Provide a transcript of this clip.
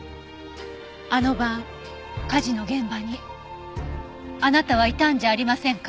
あの晩火事の現場にあなたはいたんじゃありませんか？